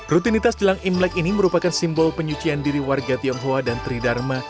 rutinitas jelang imlek ini merupakan simbol penyucian diri warga tionghoa dan tridharma